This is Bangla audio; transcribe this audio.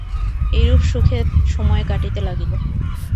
এইরূপে সুখে সময় কাটিতে লাগিল।